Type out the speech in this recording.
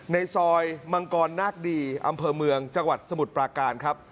ในซอยมังกรนาคดีอำเภอเมืองจังหวัดสมุทรปราการครับ